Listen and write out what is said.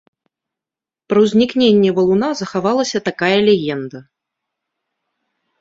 Пра ўзнікненне валуна захавалася такая легенда.